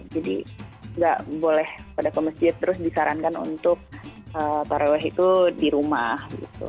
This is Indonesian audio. jadi gak boleh pada ke masjid terus disarankan untuk tarawih itu di rumah gitu